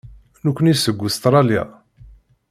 Nekkni seg Ustṛalya.